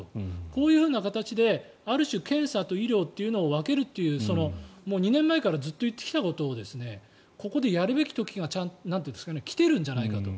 こういうふうな形である種、検査と医療というのを分けるという２年前からずっと言ってきたことをここでやるべき時が来ているんじゃないかと。